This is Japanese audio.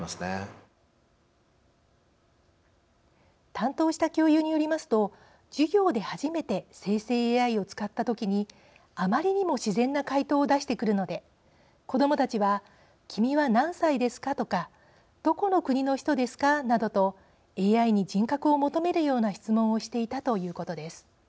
担当した教諭によりますと授業で初めて生成ＡＩを使った時にあまりにも自然な回答を出してくるので子どもたちは「君は何歳ですか？」とか「どこの国の人ですか？」などとＡＩに人格を求めるような質問をしていたということです。